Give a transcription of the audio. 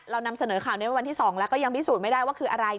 เรานำเสนอข่าวนี้เป็นวันที่๒แล้วก็ยังพิสูจน์ไม่ได้ว่าคืออะไร